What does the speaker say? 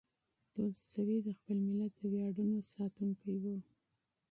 تولستوی د خپل ملت د ویاړونو ساتونکی و.